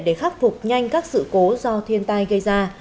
để khắc phục nhanh các sự cố do thiên tai gây ra